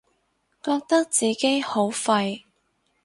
覺得自己好廢